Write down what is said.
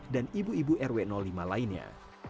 dan ibu ibu rw lima lainnya